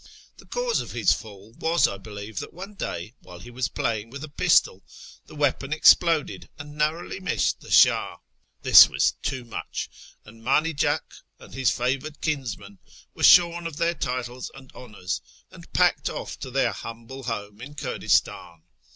The cause of his fall was, I believe, that one day, while he was playing with a pistol, the weapon exploded and narrowly missed the Shah. This was too much, and " Manijak " and his favoured kinsmen were shorn of their titles and honours, and packed off to their humble home in Kurdistan.